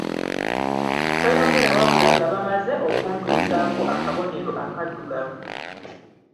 Toyogera wabula nga bamaze okuntuusaako akabonero akaddugavu.